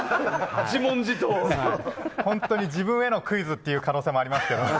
本当に自分へのクイズっていう可能性もあります。